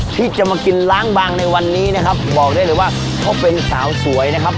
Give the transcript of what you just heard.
ที่จะมากินล้างบางในวันนี้นะครับบอกได้เลยว่าเขาเป็นสาวสวยนะครับ